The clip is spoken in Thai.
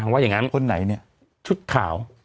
คนไหนเนี่ยชุดขาว